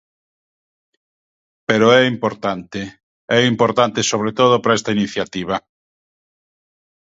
Pero é importante, é importante sobre todo para esta iniciativa.